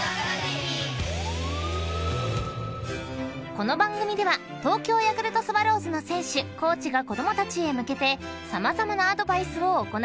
［この番組では東京ヤクルトスワローズの選手・コーチが子供たちへ向けて様々なアドバイスを行っていきます］